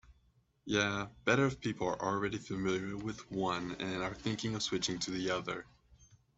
Yeah, better if people are already familiar with one and are thinking of switching to the other.